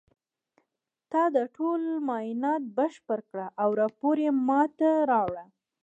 تا دا ټول معاینات بشپړ کړه او راپور یې ما ته راوړه